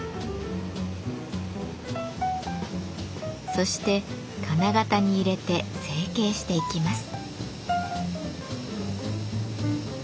そして金型に入れて成形していきます。